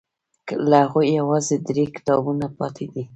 له هغوی یوازې درې کتابونه پاتې دي.